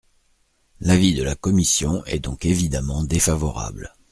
L’avis de la commission est donc évidemment défavorable.